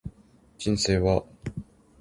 人生は儚いということ。